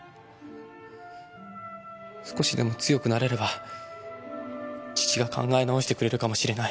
少しでも強くなれれば父が考え直してくれるかもしれない。